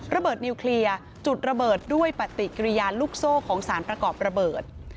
นิวเคลียร์จุดระเบิดด้วยปฏิกิริยาลูกโซ่ของสารประกอบระเบิด